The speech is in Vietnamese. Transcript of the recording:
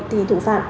thì thủ phạm